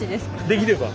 できれば。